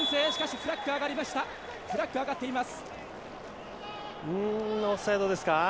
フラッグが上がっています。